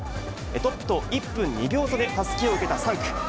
トップと１分２秒差でたすきを受けた３区。